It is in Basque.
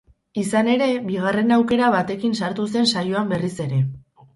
Izan ere, bigarren aukera batekin sartu zen saioan berriz ere.